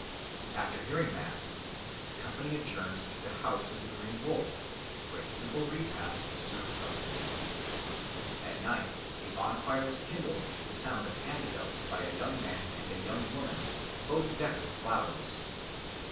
After hearing mass the company adjourned to the house of the Green Wolf, where a simple repast was served up to them. At night a bonfire was kindled to the sound of hand bells by a young man and a young woman, both decked with flowers.